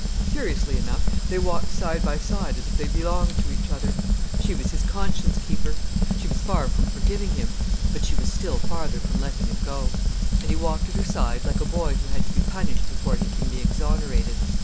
Curiously enough, they walked side by side as if they belonged to each other. She was his conscience keeper. She was far from forgiving him, but she was still farther from letting him go. And he walked at her side like a boy who had to be punished before he can be exonerated.